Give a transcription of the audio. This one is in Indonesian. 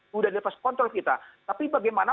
sudah dilepas kontrol kita tapi bagaimana